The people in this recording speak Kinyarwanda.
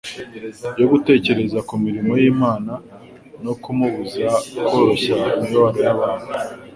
yo gutekereza ku mirimo y'Imana no kumubuza koroshya imibabaro y'abantu